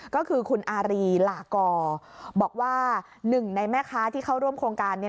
ก็คือคุณอารีหลากอบอกว่าหนึ่งในแม่ค้าที่เข้าร่วมโครงการ